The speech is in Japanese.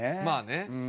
まあね。